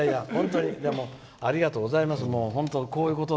ありがとうございます。